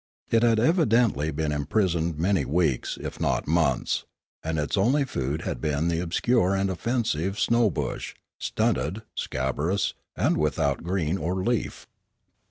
It had evidently been imprisoned many weeks, if not months, and its only food had been the obscure and offensive snow bush, stunted, scabrous, and without green or leaf.